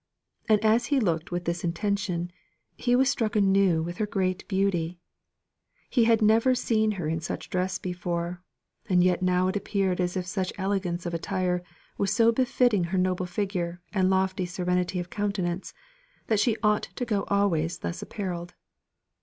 And as he looked with this intention, he was struck anew with her great beauty. He had never seen her in such dress before; and yet now it appeared that such elegance of attire was so befitting her noble figure and lofty serenity of countenance that she ought to go always thus apparelled.